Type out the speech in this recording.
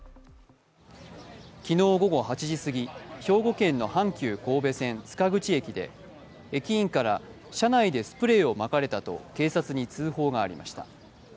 昨日午後８時すぎ兵庫県の阪急神戸線・塚口駅で駅員から車内でスプレーをまかれたと警察に通報がありました。